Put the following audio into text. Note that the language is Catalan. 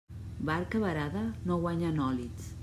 Barca varada no guanya nòlits.